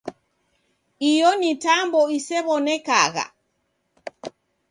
Iyo ni tambo isew'onekagha.